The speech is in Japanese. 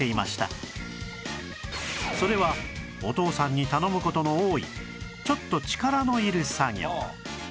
それはお父さんに頼む事の多いちょっと力のいる作業